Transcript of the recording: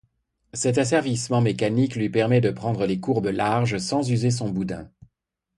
Cet asservissement mécanique lui permet de prendre les courbes larges sans user son boudin.